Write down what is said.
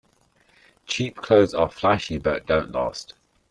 Cheap clothes are flashy but don't last.